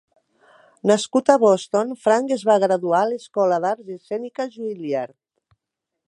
Nascut a Boston, Frank es va graduar a l'escola d'arts escèniques Juilliard.